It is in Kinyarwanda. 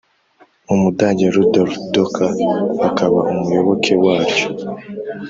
umudage rudolf docker akaba umuyoboke waryo,